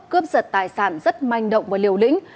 cướp giật tài sản rất manh động và liều lĩnh